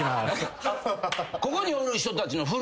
ここにおる人たちの。